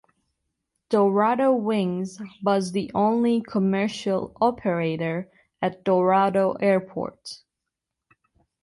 Dorado Wings was the only commercial operator at Dorado Airport.